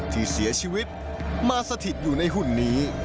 ที่เสียชีวิตมาสถิตอยู่ในหุ่นนี้